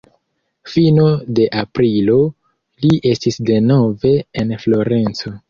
Fino de aprilo li estis denove en Florenco.